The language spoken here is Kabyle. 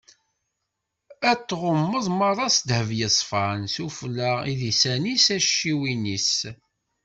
Ad t-tɣummeḍ meṛṛa s ddheb yeṣfan: s ufella, idisan-is, tacciwin-is.